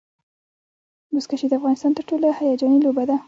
بزکشي د افغانستان تر ټولو هیجاني لوبه ده.